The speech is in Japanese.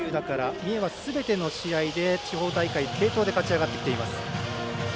三重は地方大会すべての試合で継投で勝ち上がってきています。